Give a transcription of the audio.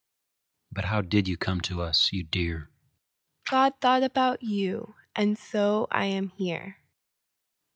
But how did you come to us, you dear? God thought about you, and so I am here.